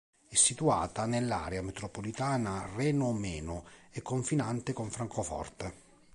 È situata nell'area metropolitana Reno-Meno, è confinante con Francoforte.